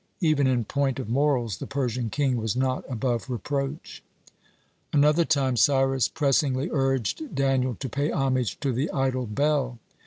Even in point of morals, the Persian king was not above reproach. (7) Another time Cyrus pressingly urged Daniel to pay homage to the idol Bel.